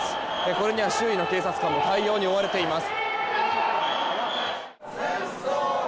これには周囲の警察官も対応に追われています。